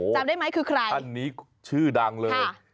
จำได้ไหมคือใครท่านนี้ชื่อดังเลย